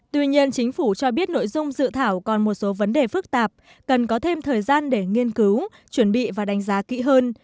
tuy nhiên chính phủ cho biết nội dung dự thảo còn một số vấn đề phức tạp cần có thêm thời gian để nghiên cứu chuẩn bị và đánh giá kỹ hơn